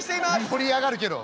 「盛り上がるけど。